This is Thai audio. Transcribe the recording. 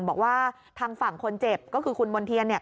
บอกว่าทางฝั่งคนเจ็บก็คือคุณมณ์เทียนเนี่ย